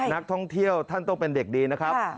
นักท่องเที่ยวท่านต้องเป็นเด็กดีนะครับ